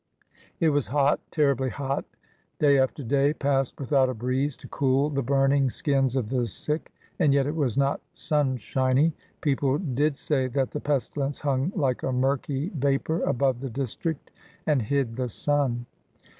It was hot,—terribly hot. Day after day passed without a breeze to cool the burning skins of the sick, and yet it was not sunshiny. People did say that the pestilence hung like a murky vapor above the district, and hid the sun.